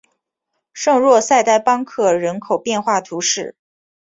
圣若塞代邦克人口变化图示